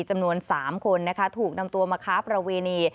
จำนวน๓คนนะคะถูกนำตัวมาค้าประเวณี